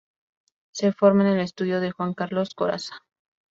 Se forma en el Estudio de Juan Carlos Corazza.